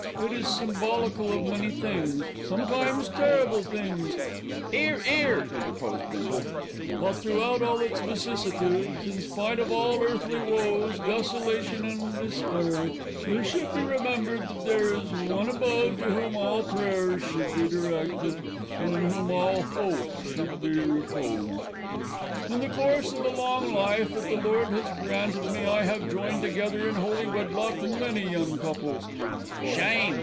It is symbolical of many things, sometimes terrible things ("'Ere, 'ere!" interposed Bindle) but throughout all its vicissitudes, in spite of all earthly woes, desolation, and despair, it should be remembered that there is One above to Whom all prayers should be directed, and in Whom all hope should be reposed. "In the course of the long life that the Lord has granted me, I have joined together in holy wedlock many young couples ("Shame!"